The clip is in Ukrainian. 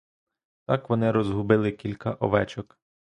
Так вони розгубили кілька овечок.